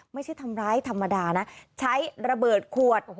ไม่ใช่ทำร้ายธรรมดานะใช้ระเบิดขวด